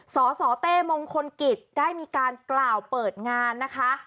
สสเต้มงคลกิจได้มีการกล่าวเปิดงานนะคะ